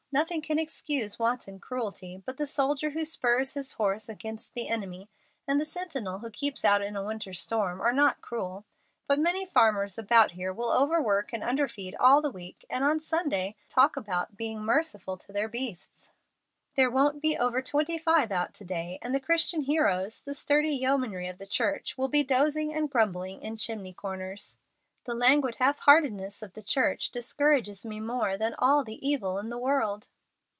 Nothing can excuse wanton cruelty; but the soldier who spurs his horse against the enemy, and the sentinel who keeps his out in a winter storm, are not cruel. But many farmers about here will overwork and underfeed all the week, and on Sunday talk about being 'merciful to their beasts.' There won't be over twenty five out to day, and the Christian heroes, the sturdy yeomanry of the church, will be dozing and grumbling in chimney corners. The languid half heartedness of the church discourages me more than all the evil in the world."